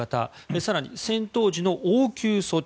更に、戦闘時の応急措置。